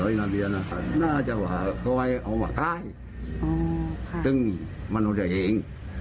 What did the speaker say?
อยู่เบียร์กรุง